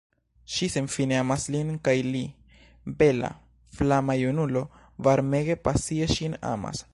Ŝi senfine amas lin kaj li, bela, flama junulo, varmege, pasie ŝin amas.